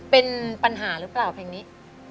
เป็นปัญหาหรือเปล่าเพลงนี้